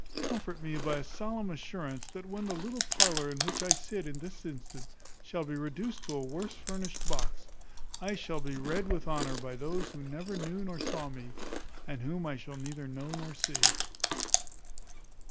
Comfort me by a solemn assurance, that when the little parlour in which I sit at this instant shall be reduced to a worse furnished box, I shall be read with honour by those who never knew nor saw me, and whom I shall neither know nor see.